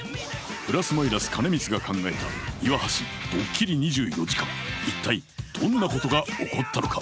プラス・マイナス兼光が考えた岩橋ドッキリ２４時間一体どんなことが起こったのか？